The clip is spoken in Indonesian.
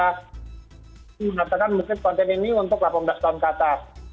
menyatakan mungkin konten ini untuk delapan belas tahun kata